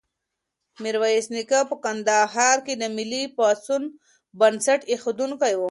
میرویس نیکه په کندهار کې د ملي پاڅون بنسټ ایښودونکی و.